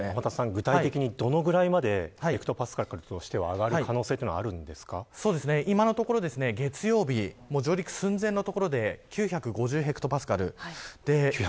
具体的にどのぐらいまでヘクトパスカルとしては上がる今のところ月曜日も上陸寸前のところで９５０ヘクトパスカル。